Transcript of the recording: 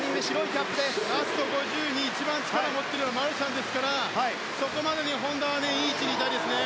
ラスト５０に一番力を持ってくるのはマルシャンですからそこまでに本多はいい位置にいたいですね。